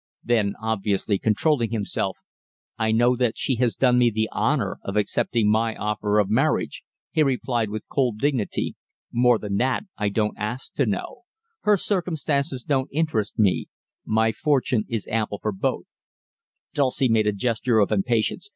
Then, obviously controlling himself: "I know that she has done me the honour of accepting my offer of marriage," he replied, with cold dignity. "More than that, I don't ask to know; her circumstances don't interest me; my fortune is ample for both." Dulcie made a gesture of impatience.